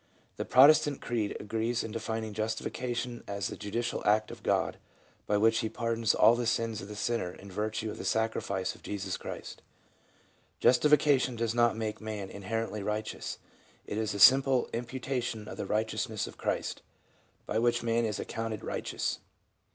The Protestant creeds agree in defining justification as the judicial act of God by which He pardons all the sins of the sinner in virtue of the sacrifice of Jesus Christ. Justification does not make man inherently righteous, it is a simple imputation of the righteousness of Christ, by which man is accounted righteous.